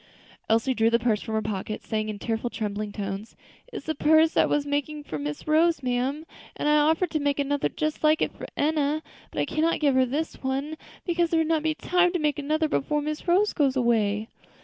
Elsie drew the purse from her pocket, saying in tearful, trembling tones, "It is a purse I was making for Miss Rose, ma'am; and I offered to make another just like it for Enna; but I cannot give her this one, because there would not be time to make another before Miss Rose goes away."